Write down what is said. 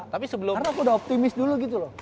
karena aku udah optimis dulu gitu loh